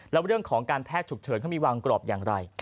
แล้วเรื่องของการแพทย์ฉุกเฉินเขามีวางกรอบอย่างไร